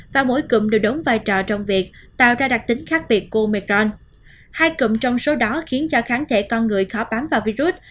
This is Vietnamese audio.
và mỗi cụm đều đóng vai trò trong virus